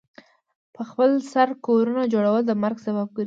پخپل سر کورونو جوړول د مرګ سبب ګرځي.